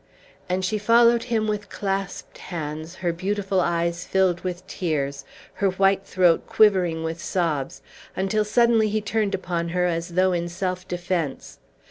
And she followed him with clasped hands, her beautiful eyes filled with tears, her white throat quivering with sobs, until suddenly he turned upon her as though in self defence.